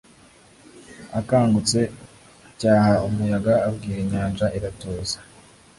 akangutse acyaha umuyaga abwira inyanja iratuza